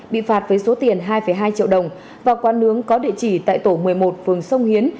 bị phạt với số tiền hai hai triệu đồng vào quán nướng có địa chỉ tại tổ một mươi một phường sông hiến